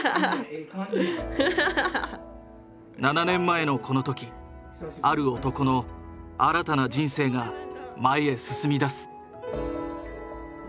７年前のこの時ある男の新たな人生が前ヘ進みだす。